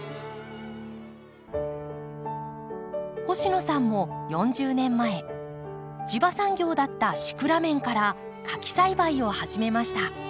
星野さんも４０年前地場産業だったシクラメンから花き栽培を始めました。